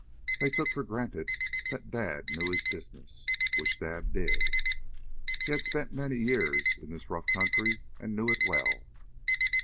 They took for granted that Dad knew his business, which Dad did. He had spent many years in this rough country and knew it well.